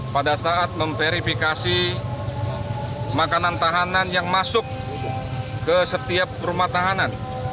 pada saat memverifikasi makanan tahanan yang masuk ke setiap rumah tahanan